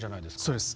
そうです。